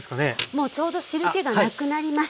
もうちょうど汁けがなくなりました。